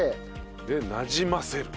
でなじませる。